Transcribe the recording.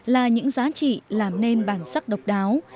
là những giá trị làm nên bản sắc độc đáo